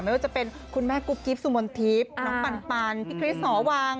ไม่ว่าจะเป็นคุณแม่กุ๊บกิ๊บสุมนทิพย์น้องปันพี่คริสหอวัง